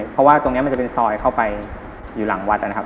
เพราะว่าตรงนี้มันจะเป็นซอยเข้าไปอยู่หลังวัดนะครับ